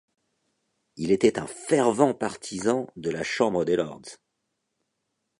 Il était un fervent partisan de la Chambre des lords.